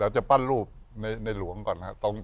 จะปั้นรูปในหลวงก่อนนะครับ